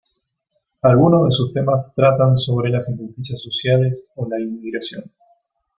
Algunos de sus temas tratan sobre las injusticias sociales o la inmigración.